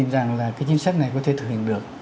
rằng là cái chính sách này có thể thực hiện được